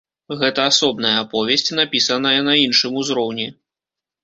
Гэта асобная аповесць, напісаная на іншым узроўні.